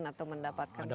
atau mendapatkan keuntungan